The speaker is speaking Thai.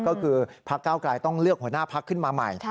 ก็คือพักเก้าไกลต้องเลือกหัวหน้าพักขึ้นมาใหม่